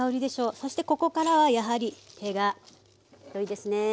そしてここからはやはり手がよいですね。